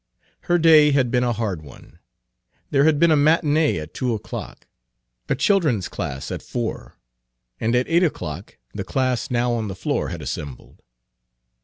Her day had been a hard one. There had been a matinee at two o'clock, a children's class at four, and at eight o'clock the class now on the floor had assembled.